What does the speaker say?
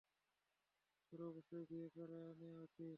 তোর অবশ্যই বিয়ে করে নেয়া উচিত।